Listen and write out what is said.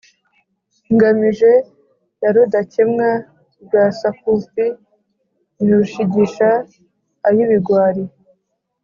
Ngamije ya Rudakemwa rwa Sakufi ni Rushigisha-ay‘ibigwari